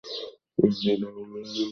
তিনি চীনা এবং ভিয়েতনামী বংশোদ্ভূত।